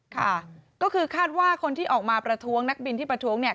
ค่ะก็คือคาดว่าคนที่ออกมาประท้วงนักบินที่ประท้วงเนี่ย